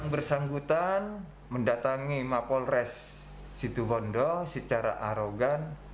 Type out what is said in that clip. bersanggutan mendatangi mapol res situ bondo secara arogan